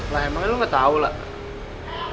lah emangnya lo gak tau lah